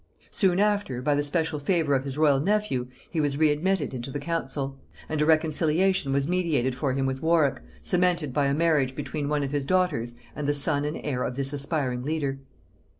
Soon after, by the special favor of his royal nephew, he was readmitted into the council; and a reconciliation was mediated for him with Warwick, cemented by a marriage between one of his daughters and the son and heir of this aspiring leader.